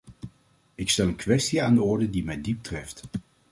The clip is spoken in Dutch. Ik stel een kwestie aan de orde die mij diep treft.